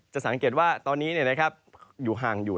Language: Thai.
สังเกตว่าตอนนี้อยู่ห่างอยู่